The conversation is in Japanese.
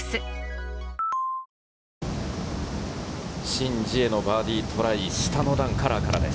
シン・ジエのバーディートライ、下の段のカラーからです。